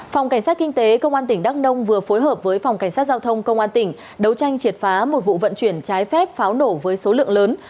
phòng cảnh sát kinh tế công an tỉnh đắk nông vừa phối hợp với phòng cảnh sát giao thông công an tỉnh đấu tranh triệt phá một vụ vận chuyển trái phép pháo nổ với số lượng lớn